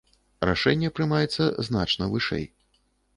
Рашэнне прымаецца значна вышэй.